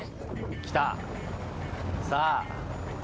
きた。